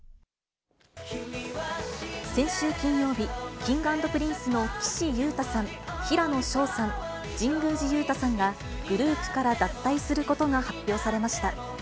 先週金曜日、Ｋｉｎｇ＆Ｐｒｉｎｃｅの岸優太さん、平野紫燿さん、神宮寺勇太さんが、グループから脱退することが発表されました。